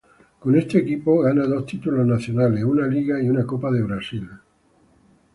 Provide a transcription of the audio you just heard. Con este equipo gana dos títulos nacionales: una Liga y una Copa de Brasil.